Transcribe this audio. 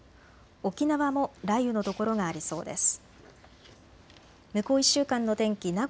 沖縄も雷雨の所がありそうです。